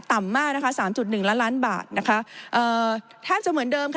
ต่ำมาก๓๑ล้านบาทนะคะแทบจะเหมือนเดิม